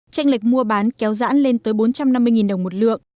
tranh lệch mua bán kéo dãn lên tới bốn trăm năm mươi đồng một lượng